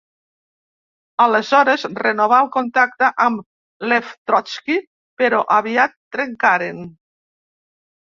Aleshores renovà el contacte amb Lev Trotski, però aviat trencaren.